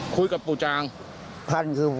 คุยกับปู่จาง